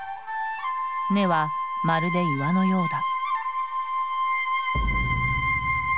根はまるで岩のようだ。